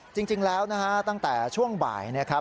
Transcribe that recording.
จริงแล้วนะฮะตั้งแต่ช่วงบ่ายนะครับ